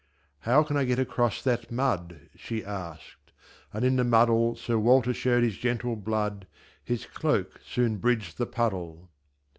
"How can I get across that mud?" She asked; and in the muddle Sir Walter showed his gentle blood His cloak soon bridged the puddle.